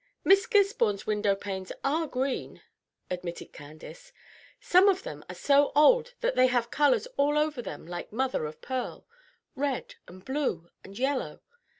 "Miss Gisborne's window panes are green," admitted Candace. "Some of them are so old that they have colors all over them like mother of pearl, red and blue and yellow.